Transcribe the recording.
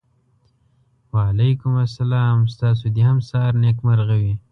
وعلیکم سلام ستاسو د هم سهار نېکمرغه وي.